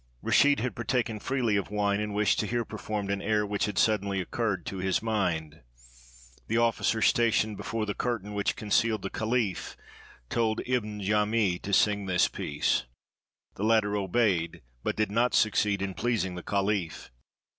Rashid had par taken freely of wine, and wished to hear performed an air which had suddenly occurred to his mind. The ofl&cer stationed before the curtain which concealed the caliph told Ibn Jami to sing this piece. The latter obeyed, but did not succeed in pleasing the caliph.